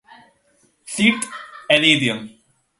Third Edition.